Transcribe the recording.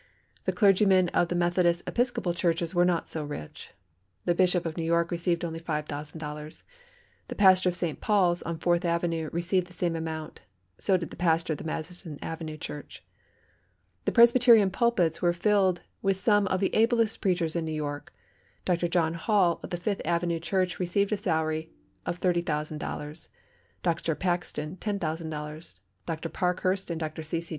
The clergymen of the Methodist Episcopal churches were not so rich. The Bishop of New York received only $5,000. The pastor of St. Paul's, on Fourth Avenue, received the same amount, so did the pastor of the Madison Avenue Church. The Presbyterian pulpits were filled with some of the ablest preachers in New York. Dr. John Hall of the Fifth Avenue Church received the salary of $30,000, Dr. Paxton $10,000, Dr. Parkhurst and Dr. C.C.